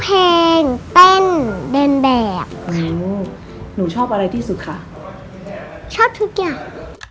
เพลงเต้นเดินแบบหนูชอบอะไรที่สุดคะชอบทุกอย่าง